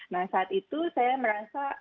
nah saat itu saya merasa